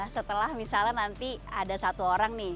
setelah misalnya nanti ada satu orang nih